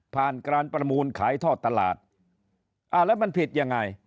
การประมูลขายทอดตลาดอ่าแล้วมันผิดยังไง